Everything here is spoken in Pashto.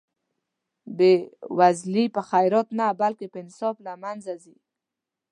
بې وزلي په خیرات نه بلکې په انصاف له منځه ځي.